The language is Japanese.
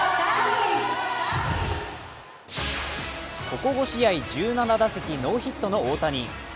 ここ５試合１７打席ノーヒットの大谷。